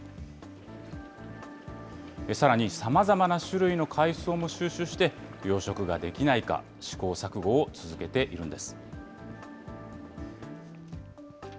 さらにさまざまな種類の海藻も収集して、養殖ができないか、試行錯誤を続けているんです。